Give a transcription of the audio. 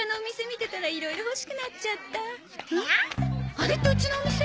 あれってうちのお店？